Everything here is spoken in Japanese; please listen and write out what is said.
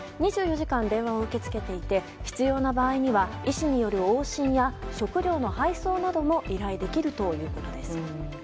２４時間電話を受け付けていて必要な場合には医師による往診や食料の配送なども依頼できるということです。